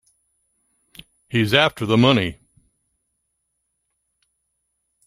He's after the money.